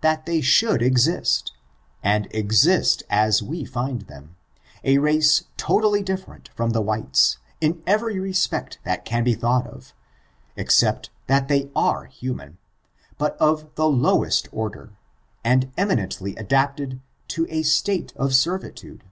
389 that they should exist, and exist as we find them, a raee totally different from the whites, in every respect Aat can be thought of, except that they are Atimon, but of the lowest order, and eminently adapted to a state of servitude.